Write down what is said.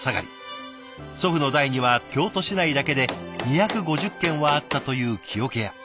祖父の代には京都市内だけで２５０軒はあったという木桶屋。